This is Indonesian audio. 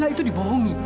papa itu dibohongi